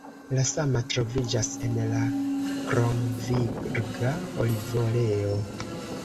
La sama troviĝas en la kromvirga olivoleo.